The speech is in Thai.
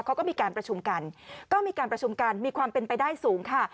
เขาก็มีการประชุมกันก็มีการประชุมกันมีความเป็นไปได้สูงค่ะ